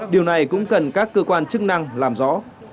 điều này cũng cần các cơ quan chức năng làm rõ